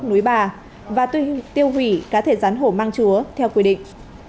núi bà và tiêu hủy cá thể rắn hổ mang chúa theo quy định